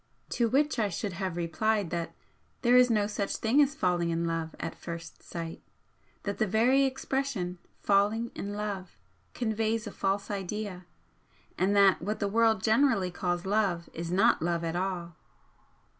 To which I should have replied that there is no such thing as falling in love at first sight, that the very expression 'falling in love' conveys a false idea, and that what the world generally calls 'love' is not love at all.